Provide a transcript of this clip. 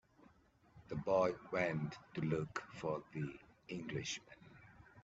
The boy went to look for the Englishman.